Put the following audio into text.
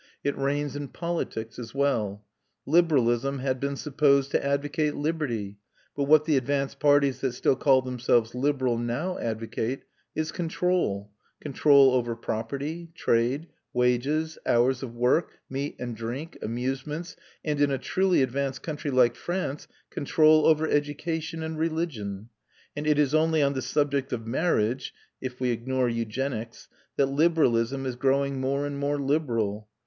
It reigns in politics as well. Liberalism had been supposed to advocate liberty; but what the advanced parties that still call themselves liberal now advocate is control, control over property, trade, wages, hours of work, meat and drink, amusements, and in a truly advanced country like France control over education and religion; and it is only on the subject of marriage (if we ignore eugenics) that liberalism is growing more and more liberal.